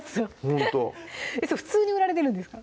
ほんと普通に売られてるんですか？